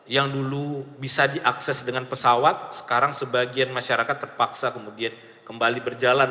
yang dulu bisa diakses dengan pesawat sekarang sebagian masyarakat terpaksa kemudian kembali berjalan